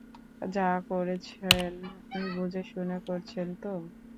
যা করছেন বুঝেশুনে করছেন তো?